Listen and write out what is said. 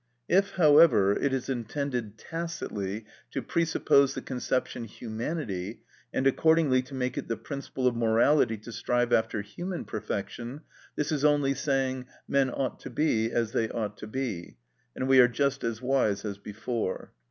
If, however, it is intended tacitly to presuppose the conception "humanity," and accordingly to make it the principle of morality to strive after human perfection, this is only saying: "Men ought to be as they ought to be,"—and we are just as wise as before.